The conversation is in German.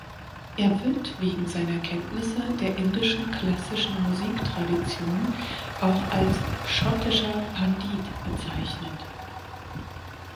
Er wird wegen seiner Kenntnisse der indischen klassischen Musiktradition auch als "schottischer Pandit" bezeichnet.